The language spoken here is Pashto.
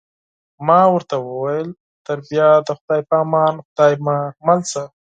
ما ورته وویل: تر بیا د خدای په امان، خدای مو مل شه.